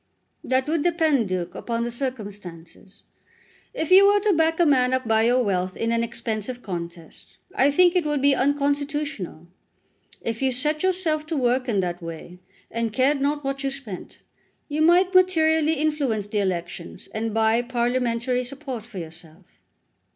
"That would depend, Duke, upon the circumstances. If you were to back a man up by your wealth in an expensive contest, I think it would be unconstitutional. If you set yourself to work in that way, and cared not what you spent, you might materially influence the elections, and buy parliamentary support for yourself."